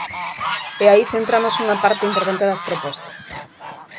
E aí centramos unha parte importante das propostas.